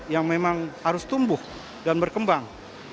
yang memang harus tumbuh dan berkembang